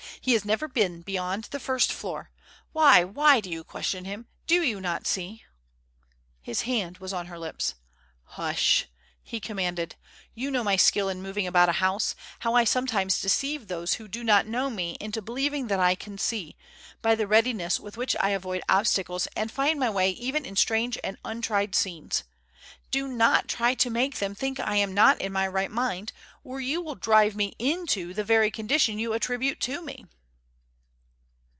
He has never been beyond the first floor. Why, why do you question him? Do you not see " His hand was on her lips. "Hush!" he commanded. "You know my skill in moving about a house; how I sometimes deceive those who do not know me into believing that I can see, by the readiness with which I avoid obstacles and find my way even in strange and untried scenes. Do not try to make them think I am not in my right mind, or you will drive me into the very condition you attribute to me."